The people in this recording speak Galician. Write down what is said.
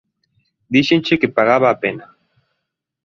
Díxenche que pagaba a pena.